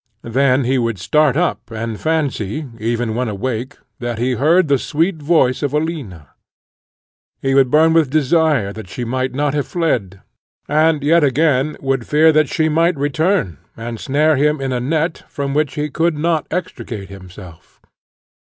Then he would start up and fancy, even when awake, that he heard the sweet voice of Alina. He would burn with desire that she might not have fled, and yet, again, would fear that she might return and snare him in a net, from which he could not extricate himself.